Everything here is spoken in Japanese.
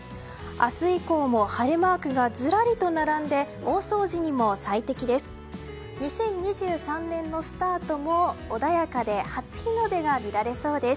明日以降も晴れマークがずらりと並んで大掃除にも最適です。